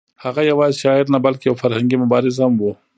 هغه یوازې شاعر نه بلکې یو فرهنګي مبارز هم و.